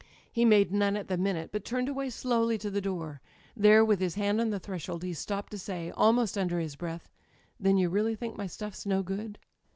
^^He made none at the minute, but turned away slowly to the door. There, with his hand on the thresh old, he stopped to say, almost under his breath: *Then you really think my stuff's no good